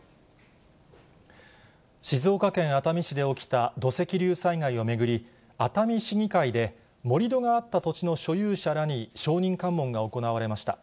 静岡県熱海市で起きた土石流災害を巡り、熱海市議会で、盛り土があった土地の所有者らに証人喚問が行われました。